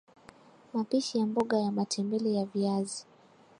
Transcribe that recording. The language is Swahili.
mapishi ya mboga ya matembele ya viazi